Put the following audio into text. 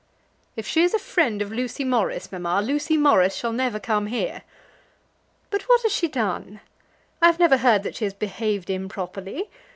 "If she is a friend of Lucy Morris, mamma, Lucy Morris shall never come here." "But what has she done? I have never heard that she has behaved improperly.